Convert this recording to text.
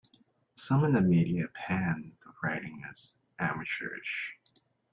Some in the media panned the writing as amateurish.